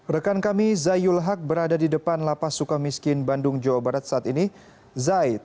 rekan kami zayul haq berada di depan lapas suka miskin bandung jawa barat saat ini